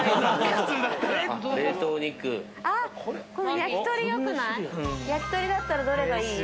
焼き鳥だったらどれがいい？